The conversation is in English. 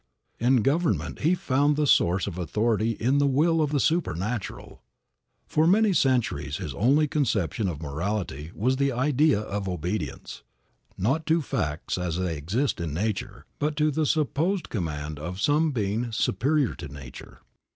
In government, he found the source of authority in the will of the supernatural. For many centuries his only conception of morality was the idea of obedience, not to facts as they exist in nature, but to the supposed command of some being superior to nature.